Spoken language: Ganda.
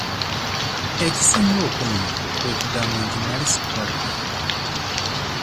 Ekisinga okunnuma kwe kugamba nti nali sikuwa buyambi.